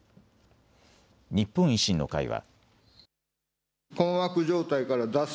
日本維新の会は。